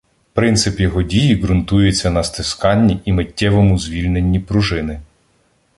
Принцип його дії ґрунтується на стисканні і миттєвому звільненні пружини.